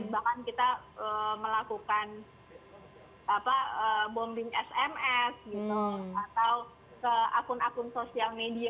bahkan kita melakukan bombing sms gitu atau ke akun akun sosial media